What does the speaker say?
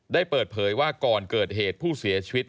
ได้เปิดเผยว่าก่อนเกิดเหตุผู้เสียชีวิต